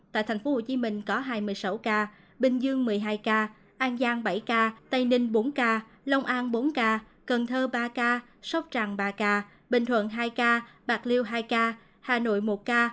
tại tp hcm có hai mươi sáu ca bình dương một mươi hai ca an giang bảy ca tây ninh bốn ca long an bốn ca cần thơ ba ca sóc trăng ba ca bình thuận hai ca bạc liêu hai ca hà nội một ca